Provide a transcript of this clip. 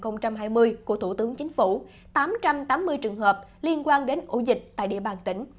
năm hai nghìn hai mươi của thủ tướng chính phủ tám trăm tám mươi trường hợp liên quan đến ổ dịch tại địa bàn tỉnh